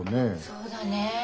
そうだねぇ。